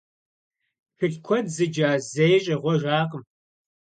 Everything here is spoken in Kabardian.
Тхылъ куэд зыджа зэи щӀегъуэжакъым.